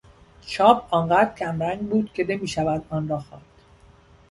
چاپ آنقدر کمرنگ بود که نمیشد آن را خواند.